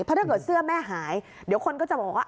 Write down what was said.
เพราะถ้าเกิดเสื้อแม่หายเดี๋ยวคนก็จะบอกว่า